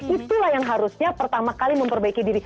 itulah yang harusnya pertama kali memperbaiki diri